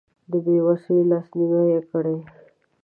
د بې وسو لاسنیوی یې کړی.